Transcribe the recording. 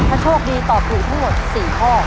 ถ้าโชคดีตอบถูกทั้งหมด๔ข้อ